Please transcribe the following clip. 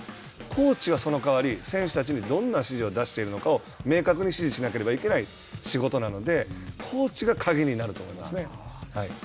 コーチはそのかわり、選手たちにどんな指示を出しているのかを明確に指示しないといけない、仕事なので、コーチが鍵になると思いますね。